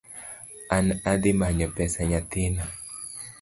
An adhi manyo pesa nyathina